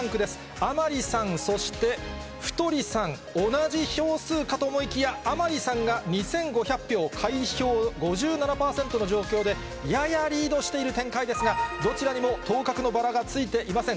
甘利さん、そして、太さん、同じ票数かと思いきや、甘利さんが２５００票、開票５７％の状況でややリードしている展開ですが、どちらにも当確のバラがついていません。